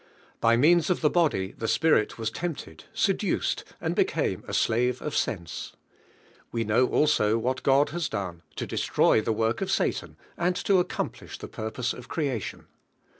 By means of the body, I he spir it was tempted, seduced, and became a slave of sense. We know also whal Rod has done to destroy the work of Satan and to accomplish the purpose of urea DIVTNE HEAT.TNO. 53 fion.